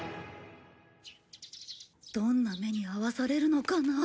どんな目に遭わされるのかなあ。